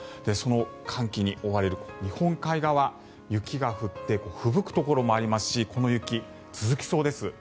その寒気に覆われる日本海側は雪が降ってふぶくところもありますしこの雪、続きそうです。